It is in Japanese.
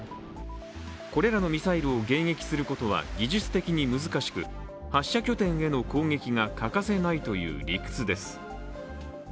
これらのミサイルを迎撃することは技術的に難しく、発射拠点への攻撃が欠かせないという理屈です。